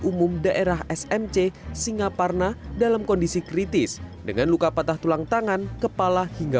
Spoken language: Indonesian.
umum daerah smc singaparna dalam kondisi kritis dengan luka patah tulang tangan kepala hingga